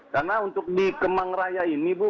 karena untuk di kemang raya ini bu